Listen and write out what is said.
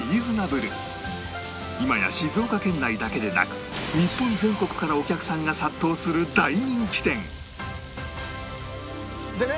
今や静岡県内だけでなく日本全国からお客さんが殺到する大人気店でね